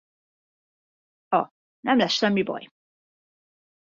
A Nem lesz semmi baj!